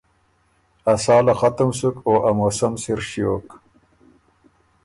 ا ساله ختُم سُک او ا موسم سِر ݭیوک۔